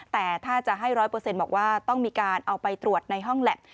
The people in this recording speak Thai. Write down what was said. แต่ถ้าจะให้๑๐๐บอกว่าต้องมีการเอาไปตรวจในห้องแล็บ